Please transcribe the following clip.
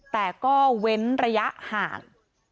แต่ก็เว้นระยะห่าง